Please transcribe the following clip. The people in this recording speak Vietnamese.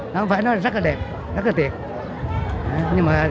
nước nó ô nhiễm quá